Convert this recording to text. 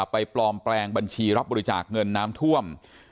ปลอมแปลงบัญชีรับบริจาคเงินน้ำท่วม